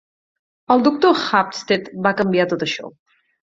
El Doctor Halsted va canviar tot això.